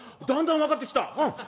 だんだん分かってきた。